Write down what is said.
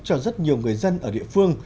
cho rất nhiều người dân ở địa phương